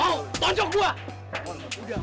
lu paling gak suka ya